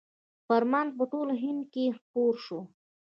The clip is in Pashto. فرمان په ټول هند کې خپور شو.